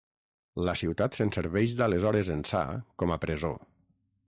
La ciutat se'n serveix d'aleshores ençà com a presó.